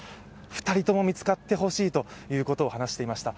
２人とも見つかってほしいと話していました。